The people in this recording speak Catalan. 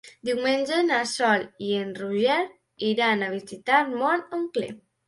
Diumenge na Sol i en Roger iran a visitar mon oncle.